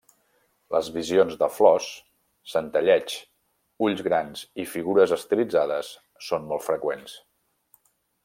Les visions de flors, centelleigs, ulls grans i figures estilitzades són molt freqüents.